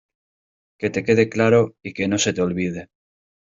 que te quede claro y que no se te olvide.